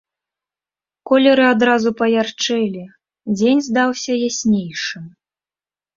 Колеры адразу паярчэлі, дзень здаўся яснейшым.